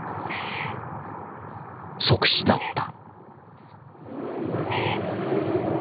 即死だった。